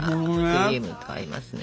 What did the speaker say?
クリームと合いますね。